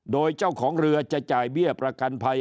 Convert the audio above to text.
โดยเจ้าของเรือจะจ่ายเบี้ยประกันภัย